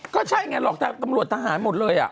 ก็ใช่ไงหรอกทางตำรวจทหารหมดเลย